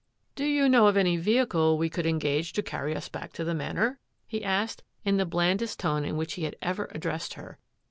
" Do you know of any vehicle we could engage to carry us back to the Manor? " he asked, in the blandest tone in which he had ever addressed her.